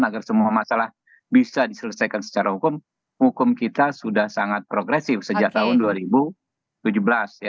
agar semua masalah bisa diselesaikan secara hukum hukum kita sudah sangat progresif sejak tahun dua ribu tujuh belas ya